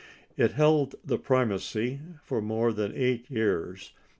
It held the primacy for more than eight years.